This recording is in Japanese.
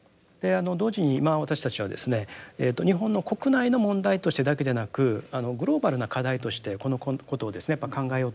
同時に今私たちはですね日本の国内の問題としてだけでなくグローバルな課題としてこのことをやっぱ考えようとしてるんですが。